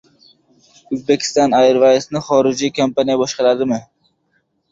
"Uzbekistan Airways"ni xorijiy kompaniya boshqaradimi?